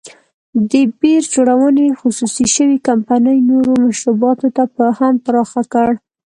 د بیر جوړونې خصوصي شوې کمپنۍ نورو مشروباتو ته هم پراخ کړ.